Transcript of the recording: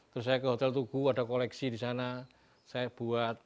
terus saya ke hotel tugu ada koleksi di sana saya buat